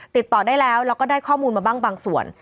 ติดต่อได้แล้วแล้วก็ได้ข้อมูลมาบ้างบางส่วน